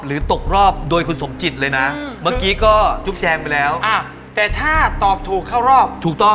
๑เหลียดสุดท้ายกดเลยครับ